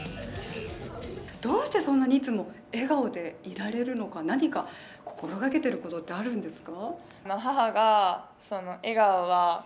どうしてそんなにいつも笑顔でいられるのか、何か、心掛けていることってあるんですか？